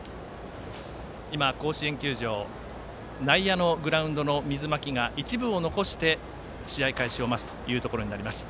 今、甲子園球場内野のグラウンドの水撒きが一部を残して、試合開始を待つということになります。